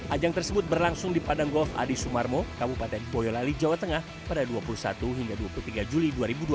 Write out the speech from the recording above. ajang tersebut berlangsung di padang golf adi sumarmo kabupaten boyolali jawa tengah pada dua puluh satu hingga dua puluh tiga juli dua ribu dua puluh